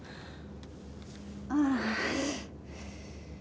ああ。